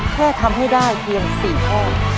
แค่ทำให้ได้เพียง๔ข้อ